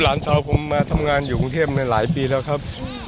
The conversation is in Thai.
หลานสาวผมมาทำงานอยู่กรุงเทพในหลายปีแล้วครับ